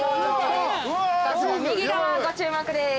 バスの右側ご注目です。